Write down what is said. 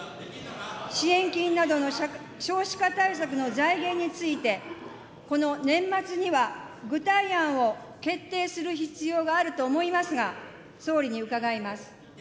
支援金などの少子化対策の財源について、この年末には具体案を決定する必要があると思いますが、総理に伺います。